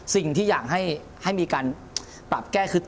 สิ่งที่อยากให้มีการปรับแก้คือ